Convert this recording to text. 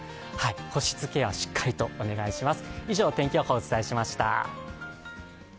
保湿ケア、しっかりとお願いします。